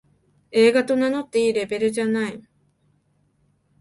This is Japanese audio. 映画と名乗っていいレベルじゃない